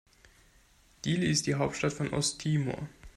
Dili ist die Hauptstadt von Osttimor.